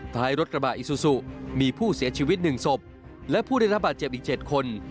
ท้ายรถกระบะอิซูซูมีผู้เสียชีวิต๑ศพและผู้ได้รับบาดเจ็บอีก๗คน